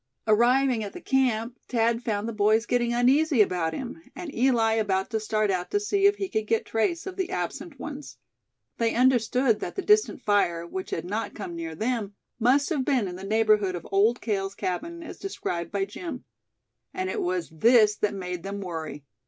Arriving at the camp, Thad found the boys getting uneasy about him, and Eli about to start out to see if he could get trace of the absent ones. They understood that the distant fire, which had not come near them, must have been in the neighborhood of Old Cale's cabin, as described by Jim; and it was this that made them worry.